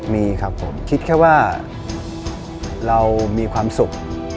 มีครับผมคิดแค่ว่าเรามีความสุข